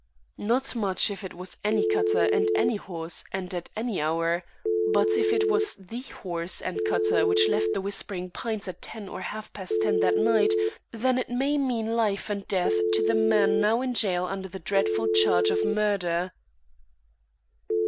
"Not much if it was any cutter and any horse, and at any hour. But if it was the horse and cutter which left The Whispering Pines at ten or half past ten that night, then it may mean life and death to the man now in jail under the dreadful charge of murder."